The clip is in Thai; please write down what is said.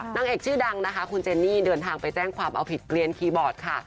นางเอกชื่อดังนะคะคุณเจนนี่เดินทางไปแจ้งความเอาผิดเกลียนคีย์บอร์ดค่ะ